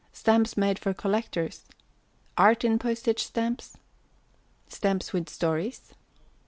Stamps made for Collectors. Art in Postage Stamps. Stamps with Stories.